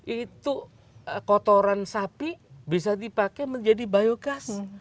itu kotoran sapi bisa dipakai menjadi biogas